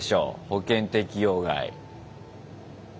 保険適用外。